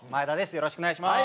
よろしくお願いします。